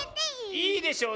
いいでしょう。